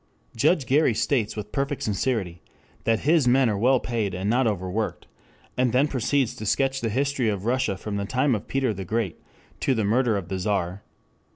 Judge Gary states with perfect sincerity that his men are well paid and not overworked, and then proceeds to sketch the history of Russia from the time of Peter the Great to the murder of the Czar.